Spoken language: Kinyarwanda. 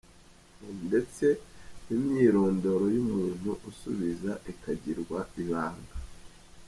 com ndetse n’imyirondoro y’umuntu usubiza ikagirwa ibanga.